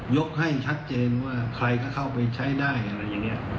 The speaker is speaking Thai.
ให้ชัดเจนว่าใครก็เข้าไปใช้ได้อะไรอย่างนี้